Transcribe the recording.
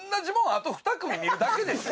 あと２組見るだけでしょ？